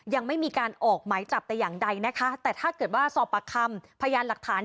ยังไม่มีการออกหมายจับแต่อย่างใดนะคะแต่ถ้าเกิดว่าสอบปากคำพยานหลักฐาน